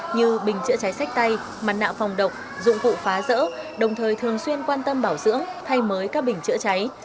như bình chữa cháy sách tay mặt nạ phòng độc dụng cụ phá rỡ đồng thời thường xuyên quan tâm bảo dưỡng thay mới các bình chữa cháy